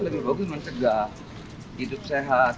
lebih bagus mencegah hidup sehat